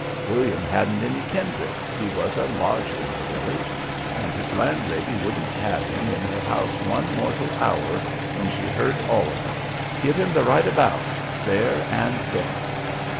William hadn't any kindred, he was a lodger in the village, and his landlady wouldn't have him in her house one mortal hour when she heard all of it; give him the right about there and then.